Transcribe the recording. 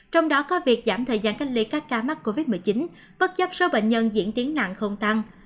trong đó có việc giảm thời gian cách ly các ca mắc covid một mươi chín bất chấp số bệnh nhân diễn tiến nặng không tăng